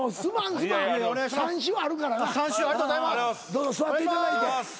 どうぞ座っていただいて。